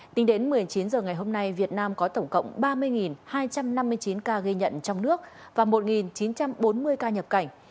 tính đến một mươi chín h ngày hôm nay việt nam có tổng cộng ba mươi hai trăm năm mươi chín ca ghi nhận trong nước và một chín trăm bốn mươi ca nhập cảnh